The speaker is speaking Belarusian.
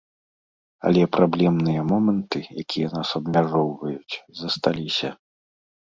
Але праблемныя моманты, якія нас абмяжоўваюць, засталіся.